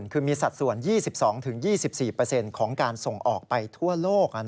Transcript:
คือมีสัดส่วน๒๒๒๔ของการส่งออกไปทั่วโลก